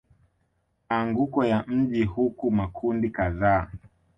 maanguko ya maji huku makundi kadhaa